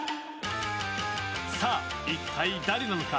さあ、一体誰なのか。